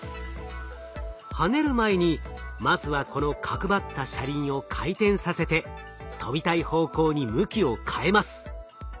跳ねる前にまずはこの角張った車輪を回転させて跳びたい方向に向きを変えます。